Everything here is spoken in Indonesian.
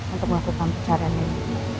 untuk melakukan pencarian ini